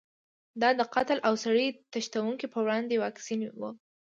دا د قتل او سړي تښتونې په وړاندې واکسین و.